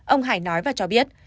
ông hải nói và cho biết